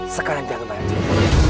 sekarang jangan bayar